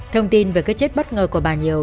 thông tin về cái chết bất ngờ của bà nhiều